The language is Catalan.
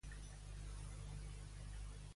Què distingeix Suïssa d'Espanya, segons ell?